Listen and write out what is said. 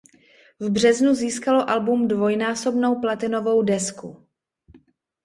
V březnu získalo album dvojnásobnou platinovou desku.